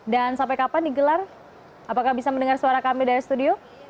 dan sampai kapan digelar apakah bisa mendengar suara kami dari studio